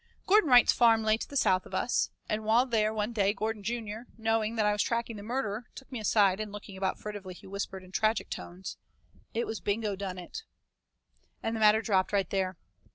Gordon Wright's farm lay to the south of us, and while there one day, Gordon Jr., knowing that I was tracking the murderer, took me aside and looking about furtively, he whispered, in tragic tones: "It was Bing done it." And the matter dropped right there.